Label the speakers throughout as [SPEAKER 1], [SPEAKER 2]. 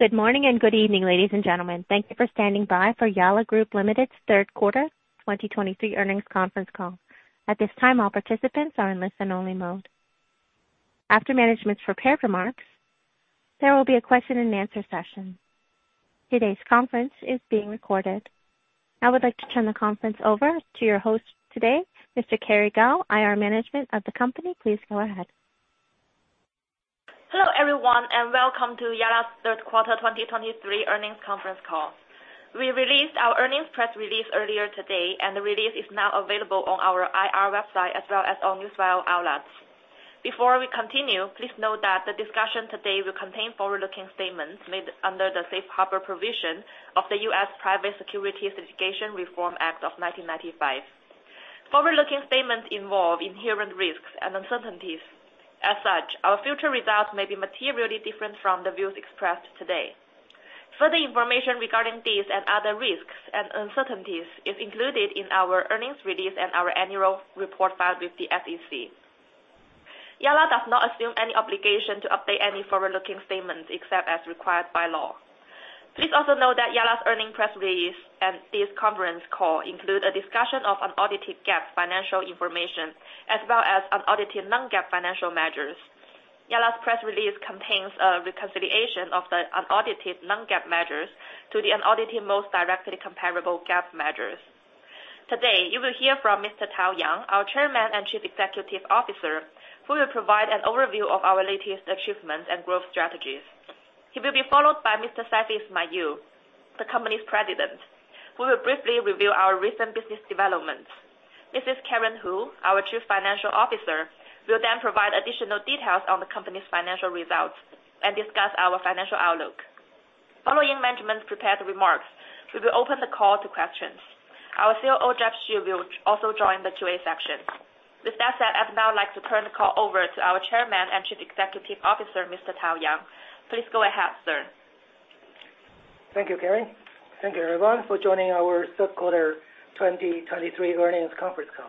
[SPEAKER 1] Good morning and good evening, ladies and gentlemen. Thank you for standing by for Yalla Group Limited's Q3 2023 earnings conference call. At this time, all participants are in listen-only mode. After management's prepared remarks, there will be a question-and-answer session. Today's conference is being recorded. I would like to turn the conference over to your host today, Ms. Kerry Gao, IR Management of the company. Please go ahead.
[SPEAKER 2] Hello, everyone, and welcome to Yalla's Q3 2023 earnings conference call. We released our earnings press release earlier today, and the release is now available on our IR website, as well as all news file outlets. Before we continue, please note that the discussion today will contain forward-looking statements made under the Safe Harbor provision of the U.S. Private Securities Litigation Reform Act of 1995. Forward-looking statements involve inherent risks and uncertainties. As such, our future results may be materially different from the views expressed today. Further information regarding these and other risks and uncertainties is included in our earnings release and our annual report filed with the SEC. Yalla does not assume any obligation to update any forward-looking statements except as required by law. Please also note that Yalla's earnings press release and this conference call include a discussion of unaudited GAAP financial information, as well as unaudited non-GAAP financial measures. Yalla's press release contains a reconciliation of the unaudited non-GAAP measures to the unaudited most directly comparable GAAP measures. Today, you will hear from Mr. Tao Yang, our Chairman and Chief Executive Officer, who will provide an overview of our latest achievements and growth strategies. He will be followed by Mr. Saifi Ismail, the company's president, who will briefly review our recent business developments. Mrs. Karen Hu, our Chief Financial Officer, will then provide additional details on the company's financial results and discuss our financial outlook. Following management's prepared remarks, we will open the call to questions. Our COO, Jianfeng Xu, will also join the Q&A session. With that said, I'd now like to turn the call over to our Chairman and Chief Executive Officer, Mr. Tao Yang. Please go ahead, sir.
[SPEAKER 3] Thank you, Kerry. Thank you, everyone, for joining our Q3 2023 earnings conference call.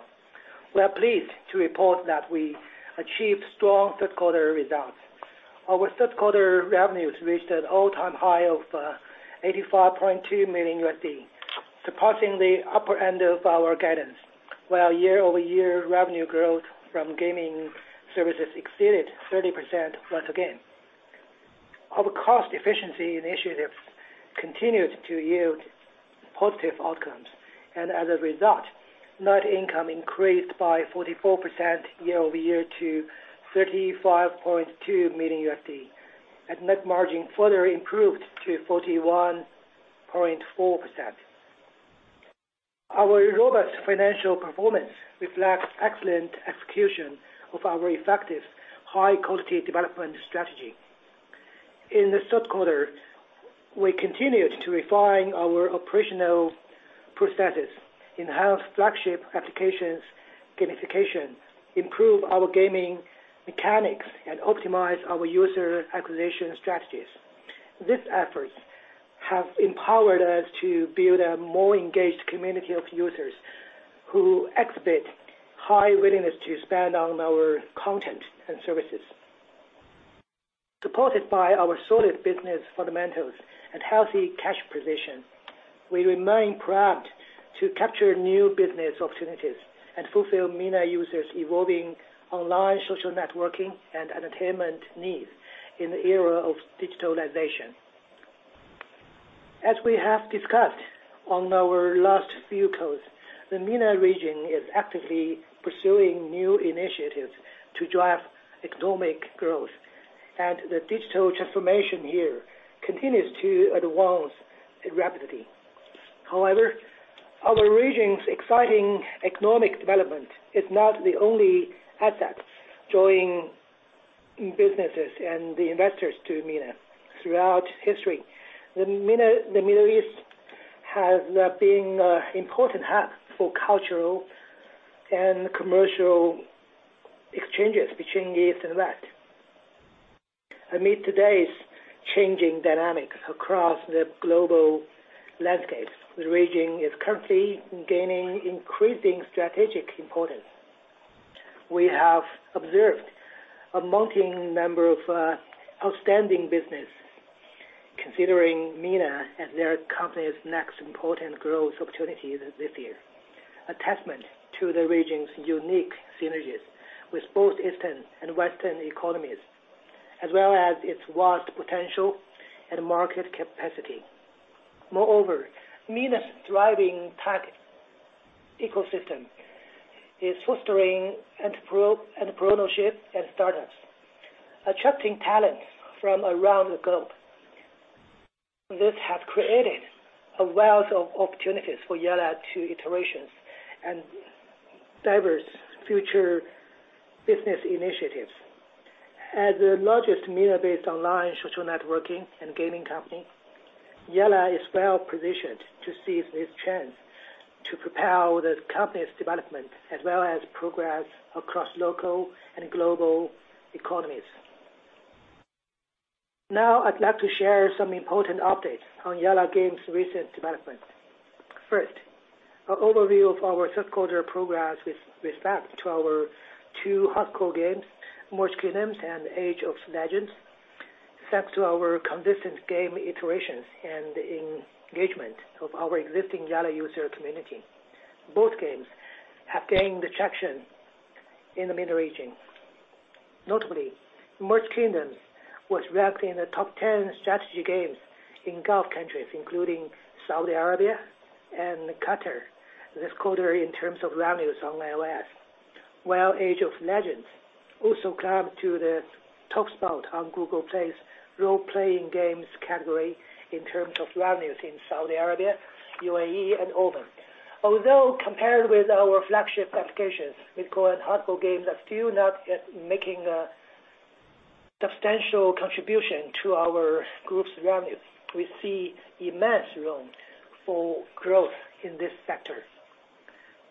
[SPEAKER 3] We are pleased to report that we achieved strong Q3 results. Our Q3 revenues reached an all-time high of $85.2 million, surpassing the upper end of our guidance, while year-over-year revenue growth from gaming services exceeded 30% once again. Our cost efficiency initiatives continued to yield positive outcomes, and as a result, net income increased by 44% year-over-year to $35.2 million, and net margin further improved to 41.4%. Our robust financial performance reflects excellent execution of our effective, high-quality development strategy. In Q3, we continued to refine our operational processes, enhance flagship applications, gamification, improve our gaming mechanics, and optimize our user acquisition strategies. These efforts have empowered us to build a more engaged community of users, who exhibit high willingness to spend on our content and services. Supported by our solid business fundamentals and healthy cash position, we remain proud to capture new business opportunities and fulfill MENA users' evolving online social networking and entertainment needs in the era of digitalization. As we have discussed on our last few calls, the MENA region is actively pursuing new initiatives to drive economic growth, and the digital transformation here continues to advance rapidly. However, our region's exciting economic development is not the only asset drawing businesses and the investors to MENA. Throughout history, the MENA, the Middle East has been an important hub for cultural and commercial exchanges between East and West. Amid today's changing dynamics across the global landscape, the region is currently gaining increasing strategic importance. We have observed a mounting number of outstanding businesses considering MENA as their company's next important growth opportunity this year, a testament to the region's unique synergies with both Eastern and Western economies, as well as its vast potential and market capacity. Moreover, MENA's thriving tech ecosystem is fostering entrepreneurship and startups, attracting talents from around the globe. This has created a wealth of opportunities for Yalla to iterations and diverse future business initiatives. As the largest MENA-based online social networking and gaming company, Yalla is well-positioned to seize this chance to propel the company's development, as well as progress across local and global economies. Now, I'd like to share some important updates on Yalla Games' recent development. First, an overview of our Q3 progress with respect to our two hardcore games, Merged Kingdoms and Age of Legends. Thanks to our consistent game iterations and engagement of our existing Yalla user community, both games have gained attraction in the MENA region. Notably, Merged Kingdoms was ranked in the top 10 strategy games in Gulf countries, including Saudi Arabia and Qatar this quarter in terms of revenues on iOS, while Age of Legends also climbed to the top spot on Google Play's role-playing games category in terms of revenues in Saudi Arabia, UAE, and Oman. Although compared with our flagship applications, we call it hardcore games are still not yet making a substantial contribution to our group's revenues, we see immense room for growth in this sector.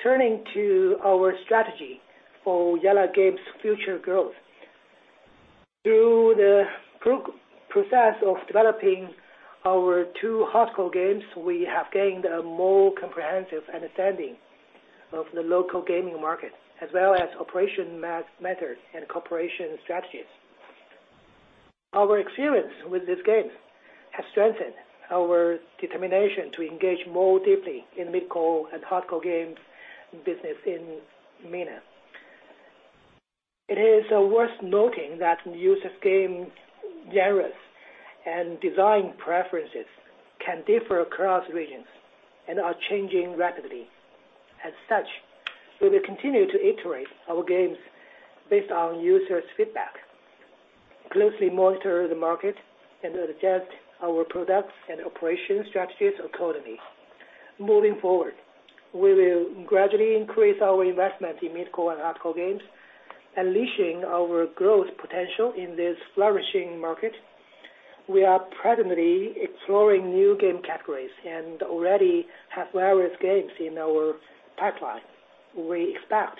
[SPEAKER 3] Turning to our strategy for Yalla's Games future growth, through the process of developing our two hardcore games, we have gained a more comprehensive understanding of the local gaming market, as well as operation methods and cooperation strategies. Our experience with these games has strengthened our determination to engage more deeply in mid-core and hardcore games business in MENA. It is worth noting that users' game genres and design preferences can differ across regions and are changing rapidly. As such, we will continue to iterate our games based on users' feedback, closely monitor the market, and adjust our products and operation strategies accordingly. Moving forward, we will gradually increase our investment in mid-core and hardcore games, unleashing our growth potential in this flourishing market. We are presently exploring new game categories and already have various games in our pipeline. We expect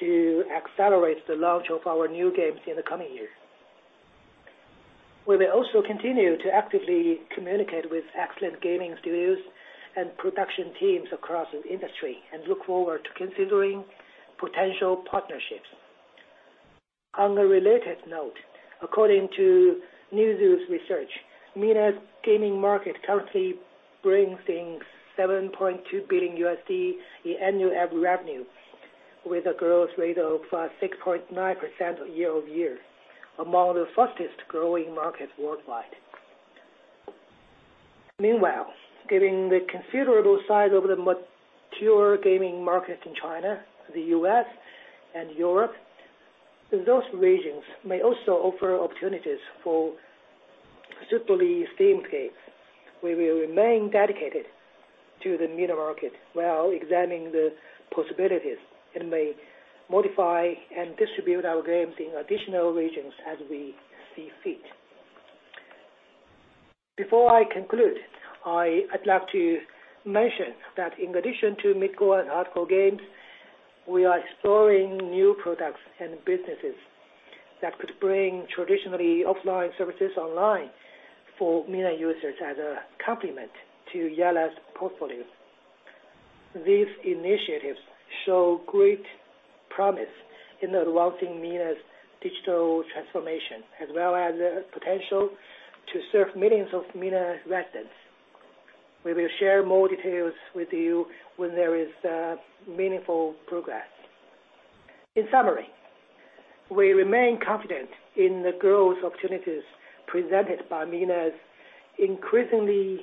[SPEAKER 3] to accelerate the launch of our new games in the coming year. We will also continue to actively communicate with excellent gaming studios and production teams across the industry, and look forward to considering potential partnerships. On a related note, according to Newzoo's research, MENA's gaming market currently brings in $7.2 billion in annual average revenue, with a growth rate of 6.9% year-over-year, among the fastest-growing markets worldwide. Meanwhile, given the considerable size of the mature gaming market in China, the U.S., and Europe, those regions may also offer opportunities for suitably themed games. We will remain dedicated to the MENA market while examining the possibilities, and may modify and distribute our games in additional regions as we see fit. Before I conclude, I'd like to mention that in addition to mid-core and hardcore games, we are exploring new products and businesses that could bring traditionally offline services online for MENA users as a complement to Yalla's portfolio. These initiatives show great promise in advancing MENA's digital transformation, as well as the potential to serve millions of MENA residents. We will share more details with you when there is meaningful progress. In summary, we remain confident in the growth opportunities presented by MENA's increasingly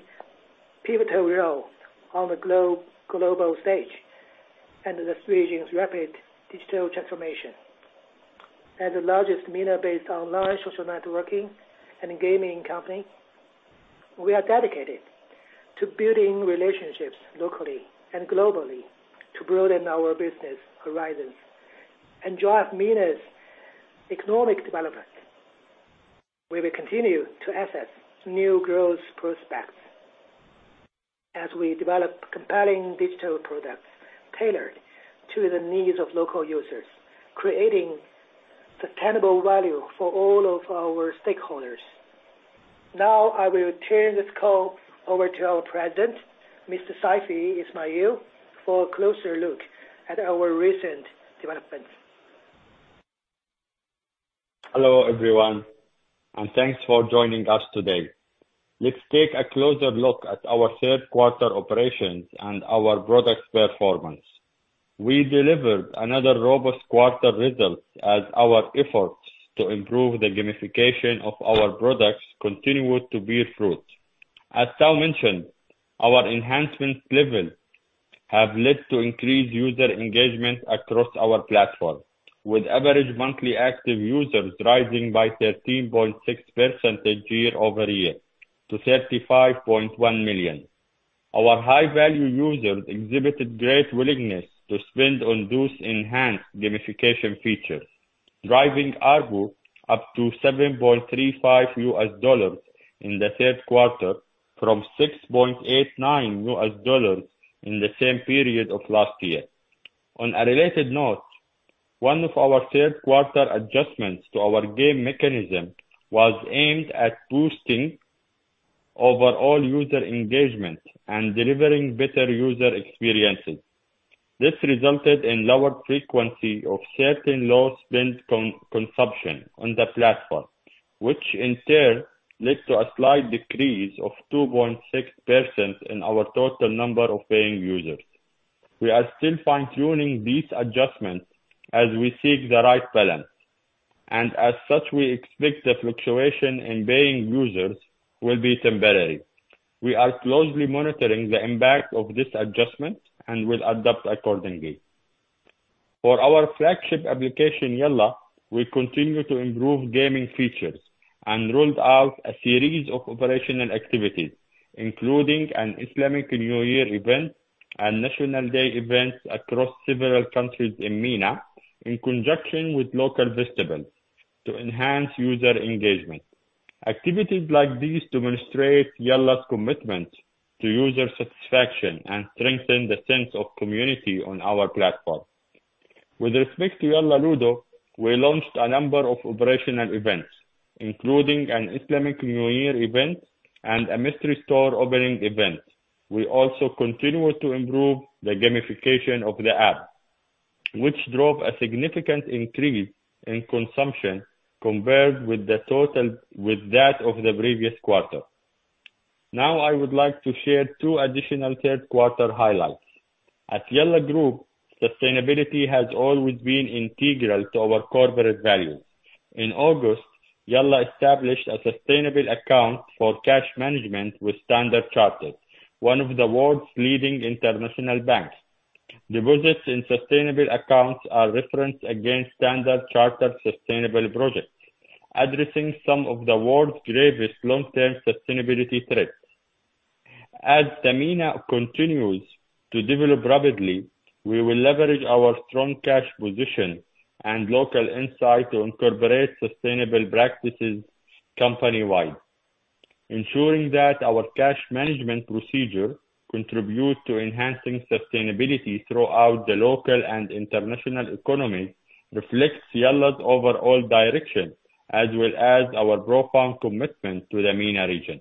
[SPEAKER 3] pivotal role on the global stage and the region's rapid digital transformation. As the largest MENA-based online social networking and gaming company, we are dedicated to building relationships locally and globally to broaden our business horizons. Enjoying MENA's economic development, we will continue to assess new growth prospects as we develop compelling digital products tailored to the needs of local users, creating sustainable value for all of our stakeholders. Now, I will turn this call over to our President, Mr. Saifi Ismail, for a closer look at our recent developments.
[SPEAKER 4] Hello, everyone, and thanks for joining us today. Let's take a closer look at our Q3 operations and our products performance. We delivered another robust quarter results as our efforts to improve the gamification of our products continued to bear fruit. As Tao mentioned, our enhancement levels have led to increased user engagement across our platform, with average monthly active users rising by 13.6% year-over-year to 35.1 million. Our high-value users exhibited great willingness to spend on those enhanced gamification features, driving ARPU up to $7.35 in Q3, from $6.89 in the same period of last year. On a related note... One of our Q3 adjustments to our game mechanism was aimed at boosting overall user engagement and delivering better user experiences. This resulted in lower frequency of certain low spend consumption on the platform, which in turn led to a slight decrease of 2.6% in our total number of paying users. We are still fine-tuning these adjustments as we seek the right balance, and as such, we expect the fluctuation in paying users will be temporary. We are closely monitoring the impact of this adjustment and will adapt accordingly. For our flagship application, Yalla, we continue to improve gaming features and rolled out a series of operational activities, including an Islamic New Year event and National Day events across several countries in MENA, in conjunction with local festivals to enhance user engagement. Activities like these demonstrate Yalla's commitment to user satisfaction and strengthen the sense of community on our platform. With respect to Yalla Ludo, we launched a number of operational events, including an Islamic New Year event and a mystery store opening event. We also continued to improve the gamification of the app, which drove a significant increase in consumption compared with that of the previous quarter. Now, I would like to share two additional Q3 highlights. At Yalla Group, sustainability has always been integral to our corporate values. In August, Yalla established a sustainable account for cash management with Standard Chartered, one of the world's leading international banks. Deposits in sustainable accounts are referenced against Standard Chartered sustainable projects, addressing some of the world's gravest long-term sustainability threats. As the MENA continues to develop rapidly, we will leverage our strong cash position and local insight to incorporate sustainable practices company-wide. Ensuring that our cash management procedure contributes to enhancing sustainability throughout the local and international economy, reflects Yalla's overall direction, as well as our profound commitment to the MENA region.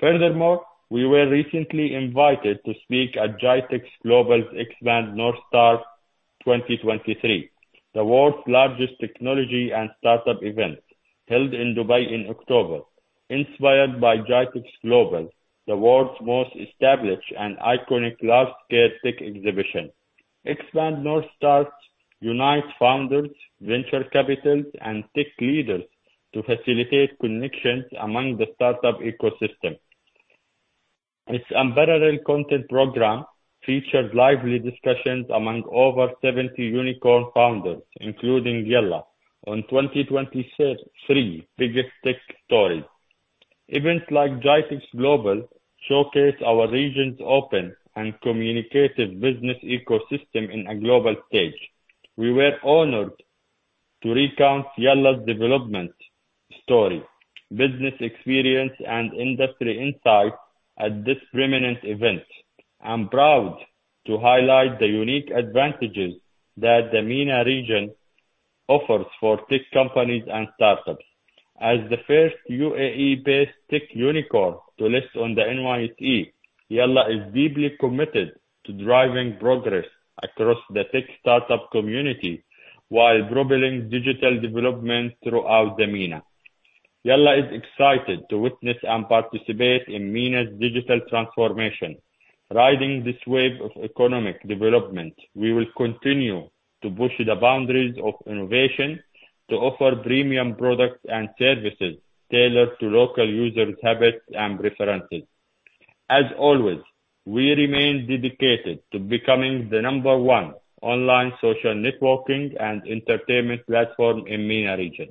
[SPEAKER 4] Furthermore, we were recently invited to speak at GITEX GLOBAL's Expand North Star 2023, the world's largest technology and startup event, held in Dubai in October. Inspired by GITEX GLOBAL, the world's most established and iconic large-scale tech exhibition. Expand North Star unites founders, venture capitals, and tech leaders to facilitate connections among the startup ecosystem. Its unparalleled content program featured lively discussions among over 70 unicorn founders, including Yalla, on 2023 biggest tech stories. Events like GITEX GLOBAL showcase our region's open and communicative business ecosystem in a global stage. We were honored to recount Yalla's development story, business experience, and industry insight at this prominent event. I'm proud to highlight the unique advantages that the MENA region offers for tech companies and startups. As the first UAE-based tech unicorn to list on the NYSE, Yalla is deeply committed to driving progress across the tech startup community, while driving digital development throughout the MENA. Yalla is excited to witness and participate in MENA's digital transformation. Riding this wave of economic development, we will continue to push the boundaries of innovation to offer premium products and services tailored to local users' habits and preferences. As always, we remain dedicated to becoming the number one online social networking and entertainment platform in MENA region.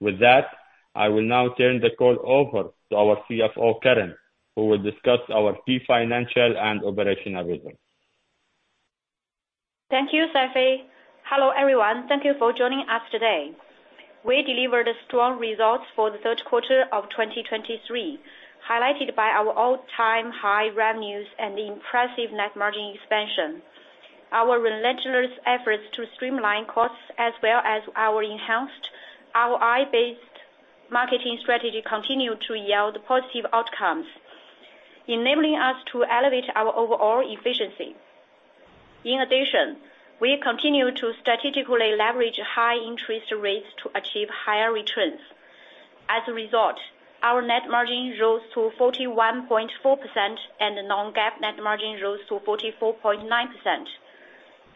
[SPEAKER 4] With that, I will now turn the call over to our CFO, Karen, who will discuss our key financial and operational results.
[SPEAKER 5] Thank you, Saifi. Hello, everyone. Thank you for joining us today. We delivered strong results for Q3 of 2023, highlighted by our all-time high revenues and impressive net margin expansion. Our relentless efforts to streamline costs, as well as our enhanced ROI-based marketing strategy, continued to yield positive outcomes, enabling us to elevate our overall efficiency. In addition, we continue to strategically leverage high interest rates to achieve higher returns. As a result, our net margin rose to 41.4%, and the non-GAAP net margin rose to 44.9%.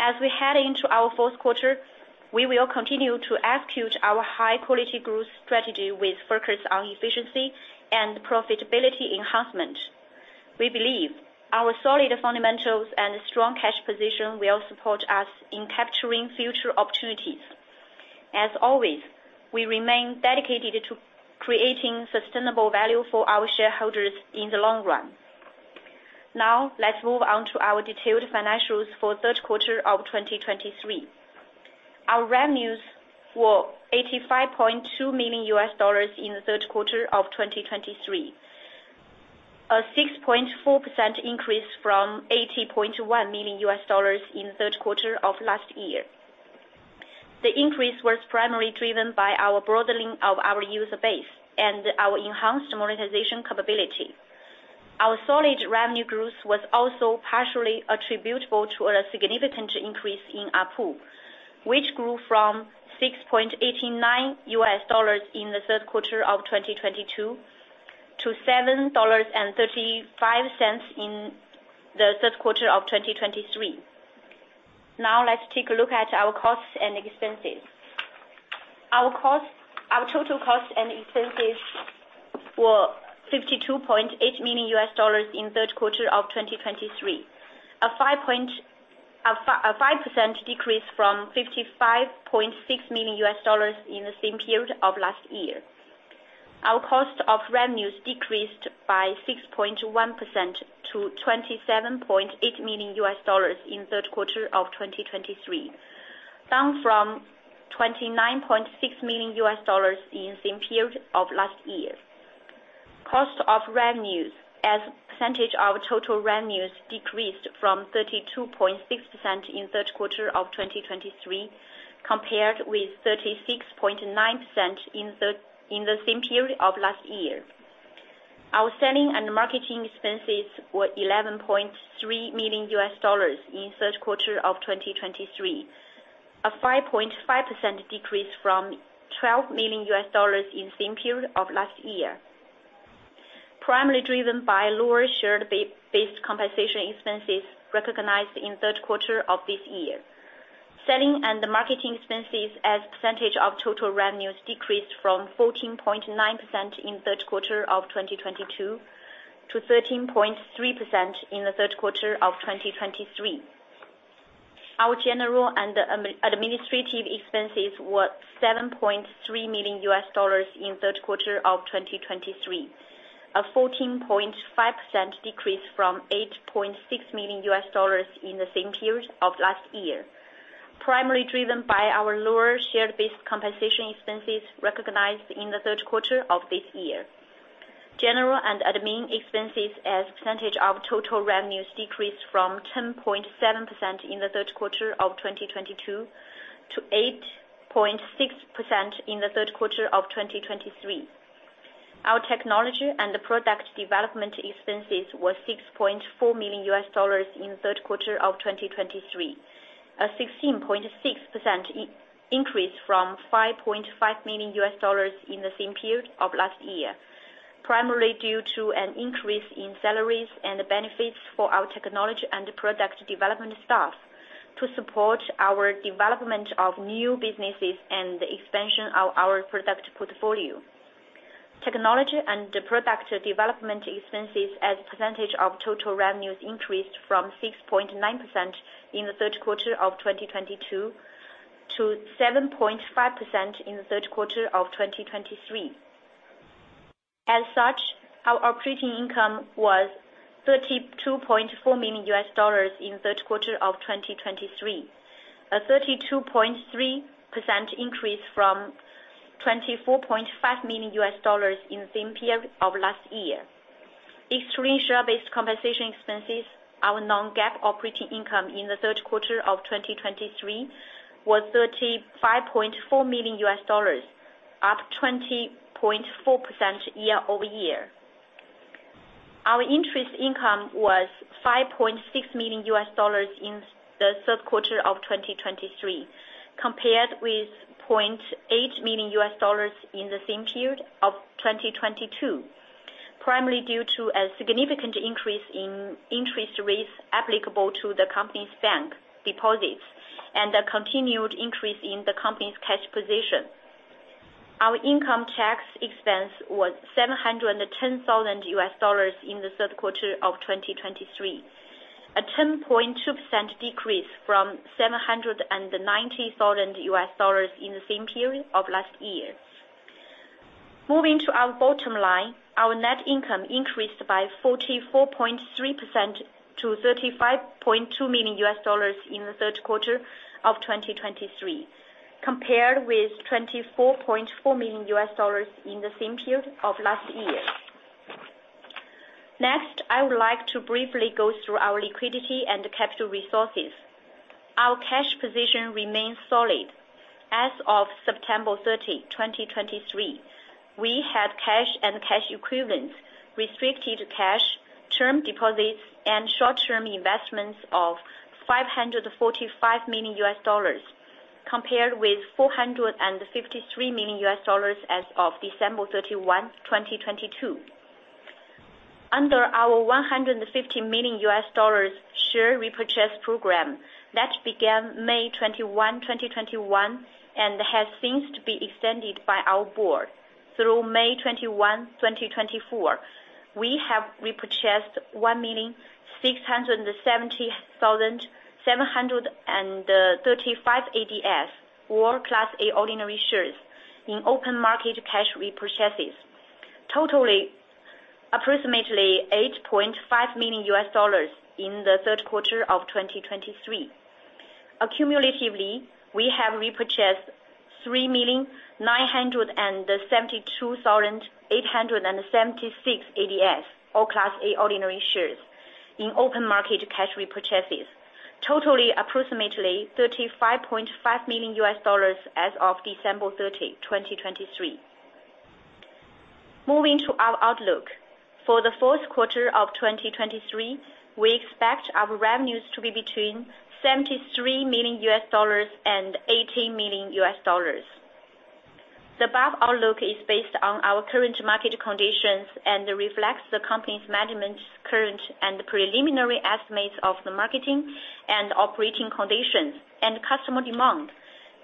[SPEAKER 5] As we head into our fourth quarter, we will continue to execute our high-quality growth strategy with focus on efficiency and profitability enhancement. We believe our solid fundamentals and strong cash position will support us in capturing future opportunities. As always, we remain dedicated to creating sustainable value for our shareholders in the long run. Now, let's move on to our detailed financials for Q3 2023. Our revenues were $85.2 million in Q3 of 2023, a 6.4% increase from $80.1 million in Q3 of last year. The increase was primarily driven by our broadening of our user base and our enhanced monetization capability. Our solid revenue growth was also partially attributable to a significant increase in ARPU, which grew from $6.89 in Q3 of 2022 to $7.35 in Q3 of 2023. Now, let's take a look at our costs and expenses. Our total costs and expenses were $52.8 million in Q3 of 2023, a 5% decrease from $55.6 million in the same period of last year. Our cost of revenues decreased by 6.1% to $27.8 million in Q3 of 2023, down from $29.6 million in the same period of last year. Cost of revenues as a percentage of total revenues decreased from 32.6% in Q3 of 2023, compared with 36.9% in the same period of last year. Our selling and marketing expenses were $11.3 million in Q3 of 2023, a 5.5% decrease from $12 million in the same period of last year, primarily driven by lower share-based compensation expenses recognized in Q3 of this year. Selling and marketing expenses as a percentage of total revenues decreased from 14.9% in Q3 of 2022, to 13.3% in Q3 of 2023. Our general and administrative expenses were $7.3 million in Q3 of 2023, a 14.5% decrease from $8.6 million in the same period of last year, primarily driven by our lower share-based compensation expenses recognized in Q3 of this year. General and admin expenses as a percentage of total revenues decreased from 10.7% in Q3 of 2022, to 8.6% in Q3 of 2023. Our technology and the product development expenses were $6.4 million in Q3 of 2023, a 16.6% increase from $5.5 million in the same period of last year, primarily due to an increase in salaries and benefits for our technology and product development staff to support our development of new businesses and the expansion of our product portfolio. Technology and product development expenses as a percentage of total revenues increased from 6.9% in Q3 of 2022, to 7.5% in Q3 of 2023. As such, our operating income was $32.4 million in Q3 of 2023, a 32.3% increase from $24.5 million in the same period of last year. Excluding share-based compensation expenses, our non-GAAP operating income in Q3 of 2023 was $35.4 million, up 20.4% year-over-year. Our interest income was $5.6 million in Q3 of 2023, compared with $0.8 million in the same period of 2022, primarily due to a significant increase in interest rates applicable to the company's bank deposits and a continued increase in the company's cash position. Our income tax expense was $710,000 in Q3 of 2023, a 10.2% decrease from $790,000 in the same period of last year. Moving to our bottom line, our net income increased by 44.3% to $35.2 million in Q3 of 2023, compared with $24.4 million in the same period of last year. Next, I would like to briefly go through our liquidity and capital resources. Our cash position remains solid. As of September 30, 2023, we had cash and cash equivalents, restricted cash, term deposits, and short-term investments of $545 million, compared with $453 million as of December 31, 2022. Under our $150 million share repurchase program that began May 21, 2021, and has since been extended by our board through May 21, 2024, we have repurchased 1,670,735 ADS, or Class A ordinary shares, in open market cash repurchases, totaling approximately $8.5 million in Q3 of 2023. Accumulatively, we have repurchased 3,972,876 ADSs, or Class A ordinary shares, in open market cash repurchases, totaling approximately $35.5 million as of December 30, 2023. Moving to our outlook. For the fourth quarter of 2023, we expect our revenues to be between $73 million and $80 million. The above outlook is based on our current market conditions and reflects the company's management's current and preliminary estimates of the marketing and operating conditions and customer demand,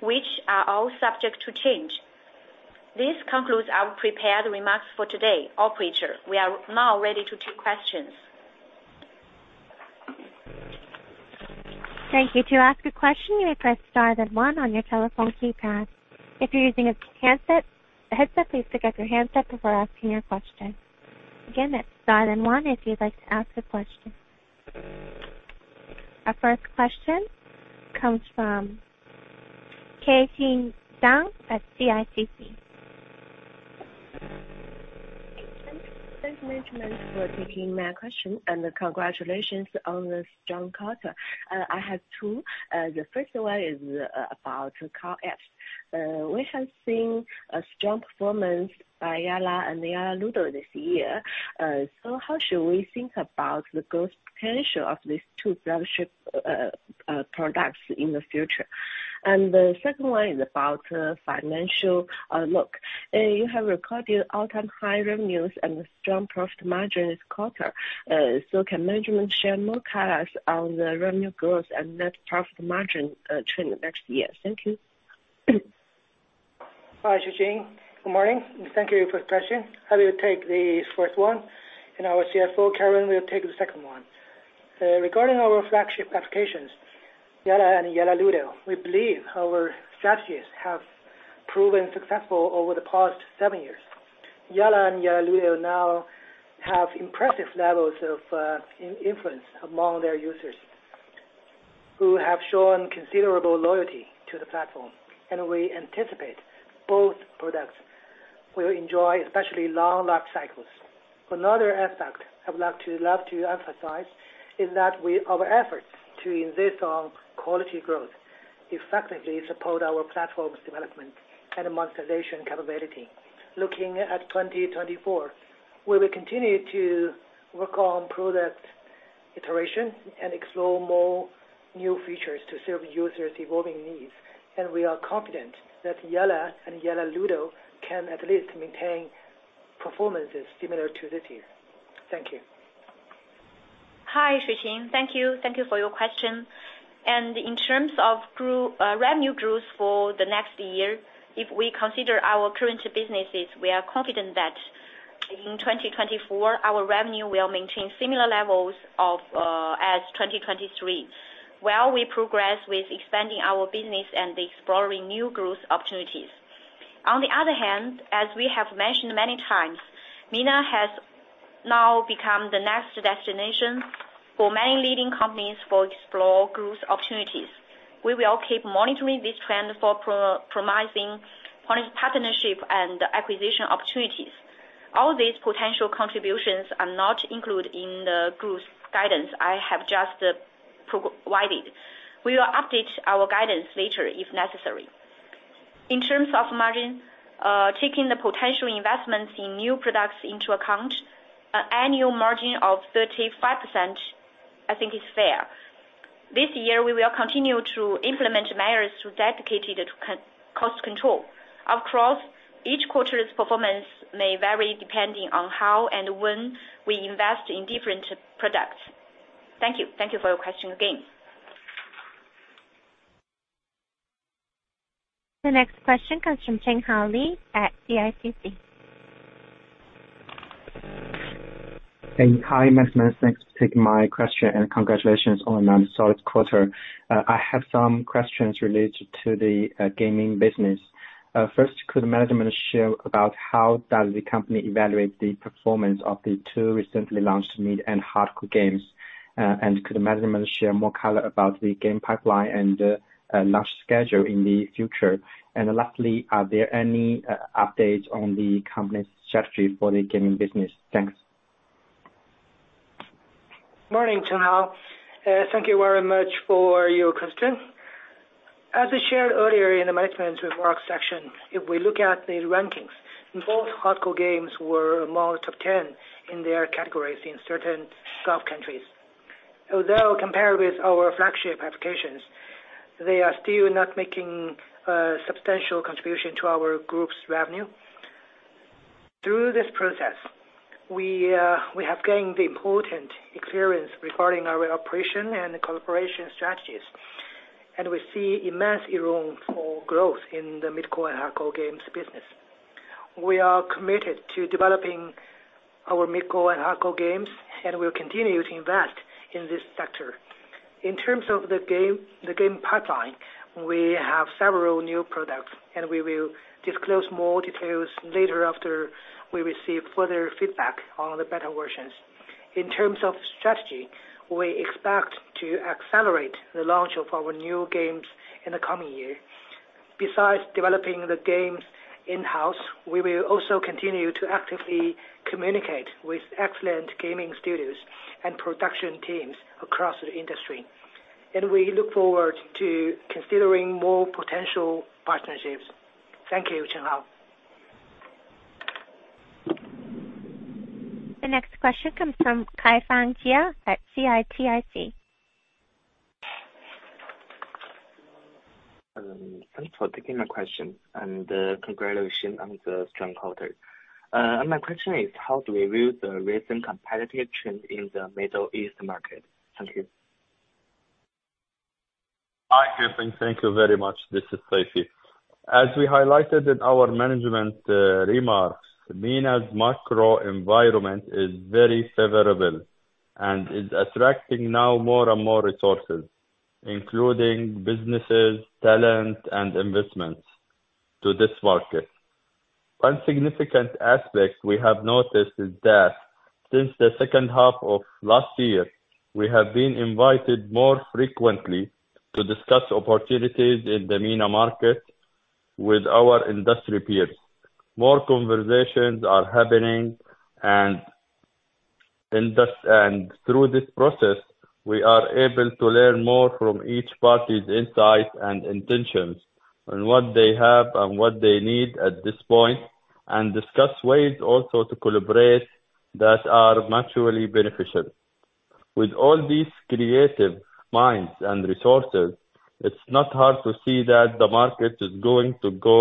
[SPEAKER 5] which are all subject to change. This concludes our prepared remarks for today. Operator, we are now ready to take questions.
[SPEAKER 1] Thank you. To ask a question, you may press star then one on your telephone keypad. If you're using a handset, a headset, please pick up your handset before asking your question. Again, that's star then one if you'd like to ask a question. Our first question comes from Xueqing Zhang at CICC.
[SPEAKER 6] Thanks, management, for taking my question, and congratulations on the strong quarter. I have two. The first one is about Core Apps. We have seen a strong performance by Yalla and Yalla Ludo this year. How should we think about the growth potential of these two flagship products in the future? The second one is about financial outlook. You have recorded all-time high revenues and strong profit margin this quarter. Can management share more colors on the revenue growth and net profit margin trend next year? Thank you.
[SPEAKER 3] Hi, Xueqing. Good morning, and thank you for the question. I will take the first one, and our CFO, Karen, will take the second one. Regarding our flagship applications, Yalla and Yalla Ludo, we believe our strategies have proven successful over the past seven years. Yalla and Yalla Ludo now have impressive levels of influence among their users, who have shown considerable loyalty to the platform, and we anticipate both products will enjoy especially long life cycles. Another aspect I would love to emphasize is that our efforts to insist on quality growth effectively support our platform's development and monetization capability. Looking at 2024, we will continue to work on product iteration and explore more new features to serve users' evolving needs, and we are confident that Yalla and Yalla Ludo can at least maintain performances similar to this year. Thank you.
[SPEAKER 5] Hi, Xueqing. Thank you. Thank you for your question. In terms of growth, revenue growth for the next year, if we consider our current businesses, we are confident that in 2024, our revenue will maintain similar levels of as 2023, while we progress with expanding our business and exploring new growth opportunities. On the other hand, as we have mentioned many times, MENA has now become the next destination for many leading companies to explore growth opportunities. We will keep monitoring this trend for promising partnership and acquisition opportunities. All these potential contributions are not included in the growth guidance I have just provided. We will update our guidance later, if necessary. In terms of margin, taking the potential investments in new products into account, an annual margin of 35%, I think, is fair. This year, we will continue to implement measures dedicated to cost control. Of course, each quarter's performance may vary depending on how and when we invest in different products. Thank you. Thank you for your question again.
[SPEAKER 1] The next question comes from Chenghao Li at CICC.
[SPEAKER 7] Hi, management. Thanks for taking my question, and congratulations on another solid quarter. I have some questions related to the gaming business. First, could management share about how does the company evaluate the performance of the two recently launched mid and hardcore games? And could management share more color about the game pipeline and launch schedule in the future? And lastly, are there any updates on the company's strategy for the gaming business? Thanks.
[SPEAKER 3] Morning, Chenghao. Thank you very much for your question. As I shared earlier in the management's remarks section, if we look at the rankings, both hardcore games were among the top ten in their categories in certain Gulf countries. Although compared with our flagship applications, they are still not making substantial contribution to our group's revenue. Through this process, we have gained important experience regarding our operation and cooperation strategies, and we see immense room for growth in the mid-core and hardcore games business. We are committed to developing our mid-core and hardcore games, and we'll continue to invest in this sector. In terms of the game pipeline, we have several new products, and we will disclose more details later after we receive further feedback on the beta versions.
[SPEAKER 5] In terms of strategy, we expect to accelerate the launch of our new games in the coming year. Besides developing the games in-house, we will also continue to actively communicate with excellent gaming studios and production teams across the industry, and we look forward to considering more potential partnerships. Thank you, Chenghao.
[SPEAKER 1] The next question comes from Kaifang Jia at CITIC.
[SPEAKER 8] Thanks for taking my question, and congratulations on the strong quarter. My question is: how do we view the recent competitive trend in the Middle East market? Thank you.
[SPEAKER 4] Hi, Kaifan. Thank you very much. This is Saifi. As we highlighted in our management remarks, MENA's macro environment is very favorable and is attracting now more and more resources, including businesses, talent, and investments to this market. One significant aspect we have noticed is that since the second half of last year, we have been invited more frequently to discuss opportunities in the MENA market with our industry peers. More conversations are happening, and through this process, we are able to learn more from each party's insights and intentions, and what they have and what they need at this point, and discuss ways also to collaborate that are mutually beneficial. With all these creative minds and resources, it's not hard to see that the market is going to go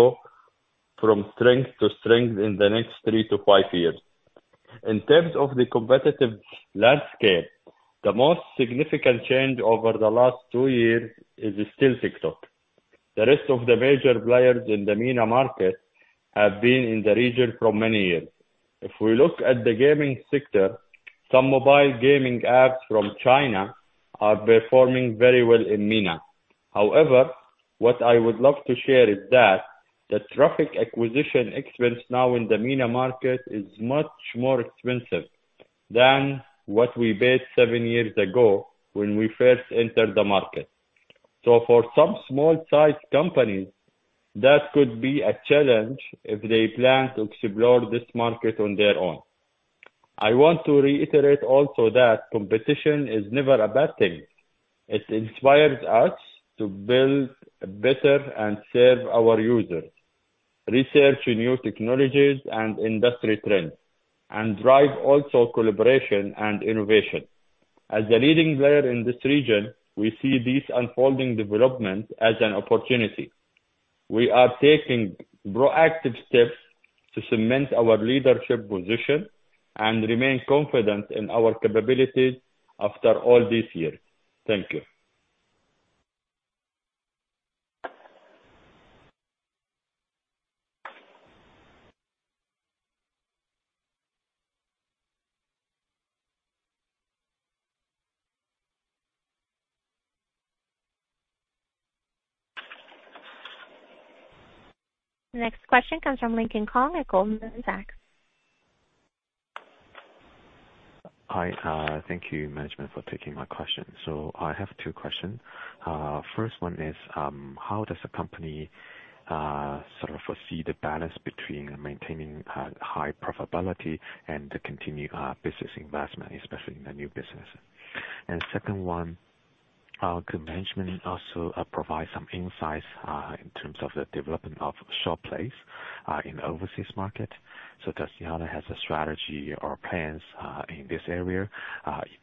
[SPEAKER 4] from strength to strength in the next three to five years. In terms of the competitive landscape, the most significant change over the last two years is still TikTok. The rest of the major players in the MENA market have been in the region for many years. If we look at the gaming sector, some mobile gaming apps from China are performing very well in MENA. However, what I would love to share is that the traffic acquisition expense now in the MENA market is much more expensive than what we paid seven years ago when we first entered the market. For some small-sized companies, that could be a challenge if they plan to explore this market on their own. I want to reiterate also that competition is never a bad thing. It inspires us to build better and serve our users, research new technologies and industry trends, and drive also collaboration and innovation. As a leading player in this region, we see these unfolding developments as an opportunity. We are taking proactive steps to cement our leadership position and remain confident in our capabilities after all these years. Thank you.
[SPEAKER 1] The next question comes from Lincoln Kong at Goldman Sachs.
[SPEAKER 9] Hi, thank you, management, for taking my question. So I have two questions. First one is: How does the company sort of foresee the balance between maintaining high profitability and the continued business investment, especially in the new business? And second one: Could management also provide some insights in terms of the development of short plays in overseas market? So does Yalla have a strategy or plans in this area,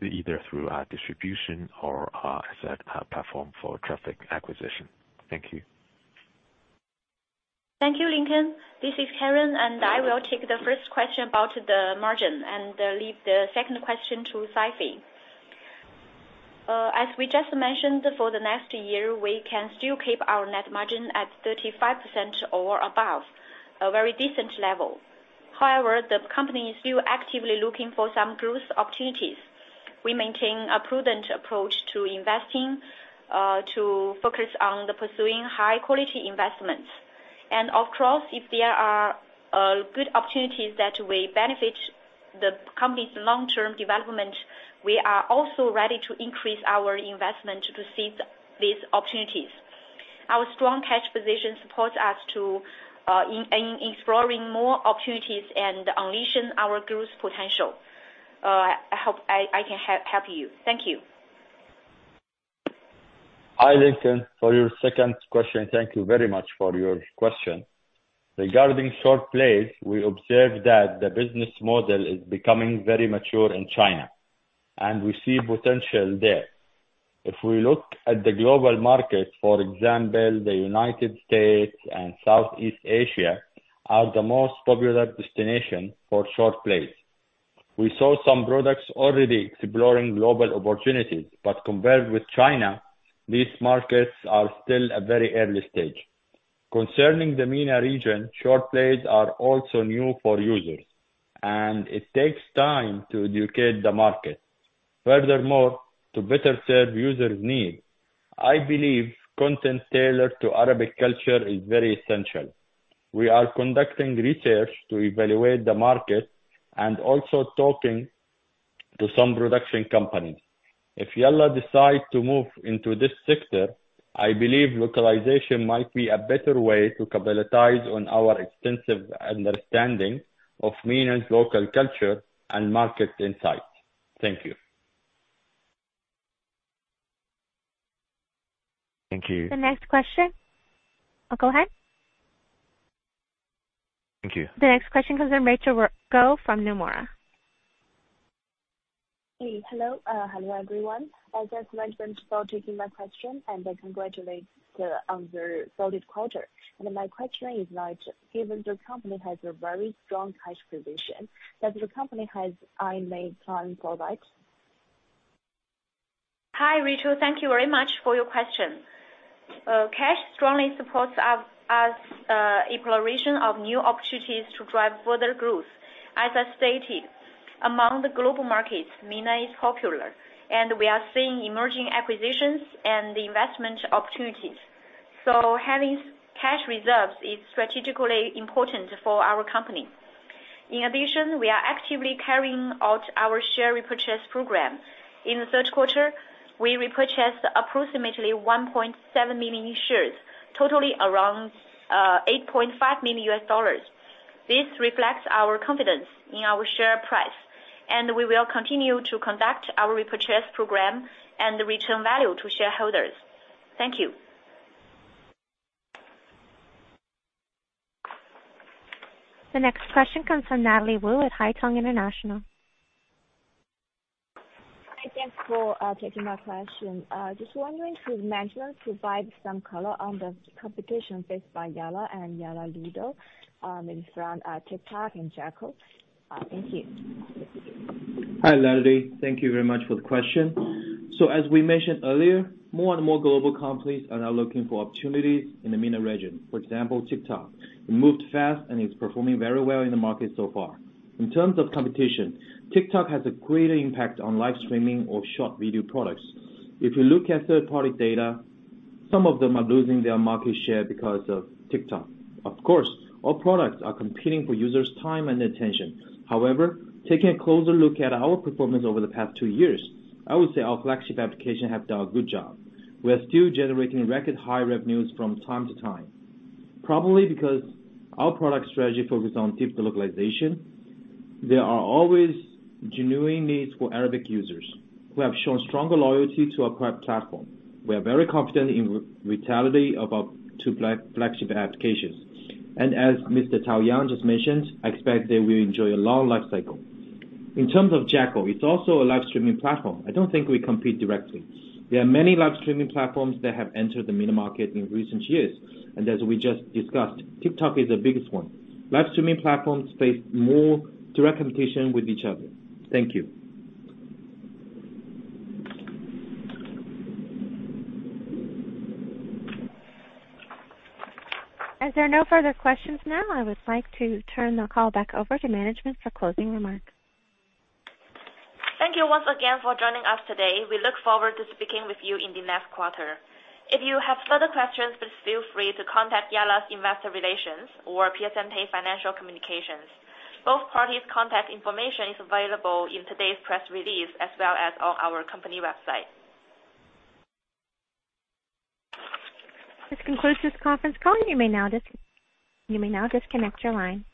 [SPEAKER 9] either through distribution or as a platform for traffic acquisition? Thank you.
[SPEAKER 5] Thank you, Lincoln. This is Karen, and I will take the first question about the margin and leave the second question to Saifi. As we just mentioned, for the next year, we can still keep our net margin at 35% or above, a very decent level. However, the company is still actively looking for some growth opportunities. We maintain a prudent approach to investing to focus on the pursuing high-quality investments. And of course, if there are good opportunities that will benefit the company's long-term development, we are also ready to increase our investment to seize these opportunities. Our strong cash position supports us in exploring more opportunities and unleashing our growth potential. I hope I can help you. Thank you.
[SPEAKER 4] Hi, Lincoln. For your second question, thank you very much for your question. Regarding short plays, we observe that the business model is becoming very mature in China, and we see potential there. If we look at the global market, for example, the United States and Southeast Asia, are the most popular destination for short plays. We saw some products already exploring global opportunities, but compared with China, these markets are still at very early stage. Concerning the MENA region, short plays are also new for users, and it takes time to educate the market. Furthermore, to better serve users' needs, I believe content tailored to Arabic culture is very essential. We are conducting research to evaluate the market and also talking to some production companies. If Yalla! Decide to move into this sector, I believe localization might be a better way to capitalize on our extensive understanding of MENA's local culture and market insights. Thank you.
[SPEAKER 9] Thank you.
[SPEAKER 1] The next question. Oh, go ahead.
[SPEAKER 9] Thank you.
[SPEAKER 1] The next question comes from Rachel Guo from Nomura.
[SPEAKER 10] Hey, hello. Hello, everyone. Thanks management for taking my question, and I congratulate on the solid quarter. My question is that, given the company has a very strong cash position, does the company have any M&A plan for that?
[SPEAKER 5] Hi, Rachel. Thank you very much for your question. Cash strongly supports our, us, exploration of new opportunities to drive further growth. As I stated, among the global markets, MENA is popular, and we are seeing emerging acquisitions and investment opportunities. Having cash reserves is strategically important for our company. In addition, we are actively carrying out our share repurchase program. In Q3, we repurchased approximately 1.7 million shares, totaling around $8.5 million. This reflects our confidence in our share price, and we will continue to conduct our repurchase program and return value to shareholders. Thank you.
[SPEAKER 1] The next question comes from Natalie Wu at Haitong International.
[SPEAKER 11] Hi, thanks for taking my question. Just wondering if management provide some color on the competition faced by Yalla and Yalla Ludo in front of TikTok and Jaco. Thank you.
[SPEAKER 12] Hi, Natalie. Thank you very much for the question. So as we mentioned earlier, more and more global companies are now looking for opportunities in the MENA region. For example, TikTok. It moved fast and is performing very well in the market so far. In terms of competition, TikTok has a greater impact on live streaming or short video products. If you look at third-party data, some of them are losing their market share because of TikTok. Of course, all products are competing for users' time and attention. However, taking a closer look at our performance over the past two years, I would say our flagship application have done a good job. We are still generating record high revenues from time to time, probably because our product strategy focuses on deep localization. There are always genuine needs for Arabic users who have shown stronger loyalty to our platform. We are very confident in the vitality of our two flagship applications. As Mr. Tao Yang just mentioned, I expect they will enjoy a long life cycle. In terms of Jaco, it's also a live streaming platform. I don't think we compete directly. There are many live streaming platforms that have entered the MENA market in recent years, and as we just discussed, TikTok is the biggest one. Live streaming platforms face more direct competition with each other. Thank you.
[SPEAKER 1] As there are no further questions now, I would like to turn the call back over to management for closing remarks.
[SPEAKER 5] Thank you once again for joining us today. We look forward to speaking with you in the next quarter. If you have further questions, please feel free to contact Yalla's Investor Relations or Piacente Group. Both parties' contact information is available in today's press release, as well as on our company website.
[SPEAKER 1] This concludes this conference call. You may now disconnect your line.